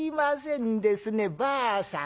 ばあさん